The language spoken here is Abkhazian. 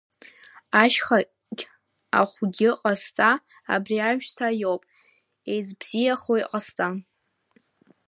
Ашьхагь ахәгьы ҟазҵа абри аҩсҭаа иоп, еизбзиахо иҟазҵа.